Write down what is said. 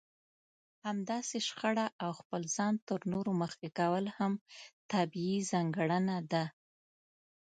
همداسې شخړه او خپل ځان تر نورو مخکې کول هم طبيعي ځانګړنه ده.